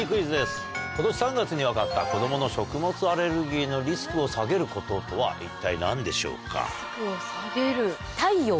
今年３月に分かった子どもの食物アレルギーのリスクを下げることとは一体何でしょうか？